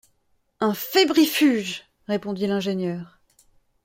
Un fébrifuge !… répondit l’ingénieur